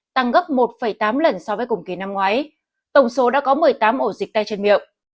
tăng gấp một tám lần so với cùng kỳ năm ngoái tổng số đã có một mươi tám ổ dịch tay chân miệng